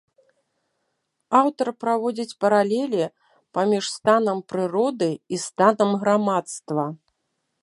Аўтар праводзіць паралелі паміж станам прыроды і станам грамадства.